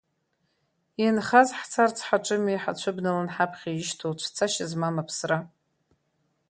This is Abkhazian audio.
Инхаз ҳцарц ҳаҿыми ҳацәыбналан ҳаԥхьа ишьҭоу цәцашьа змам аԥсра.